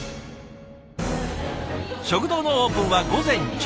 食堂のオープンは午前１１時。